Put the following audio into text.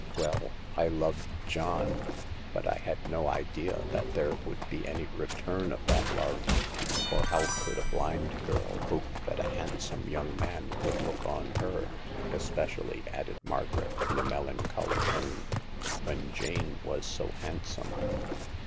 Well, I loved John, but I had no idea that there would be any return of that love ; for how could a blind girl hope that a handsome young man would look on her — especially," added Margaret in a melancholy tone, " when Jane was so handsome